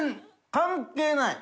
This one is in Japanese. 関係ない。